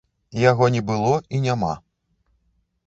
Яго не было і няма!